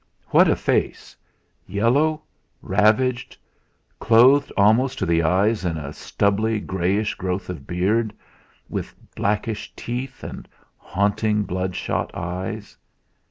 What a face! Yellow, ravaged, clothed almost to the eyes in a stubbly greyish growth of beard, with blackish teeth, and haunting bloodshot eyes.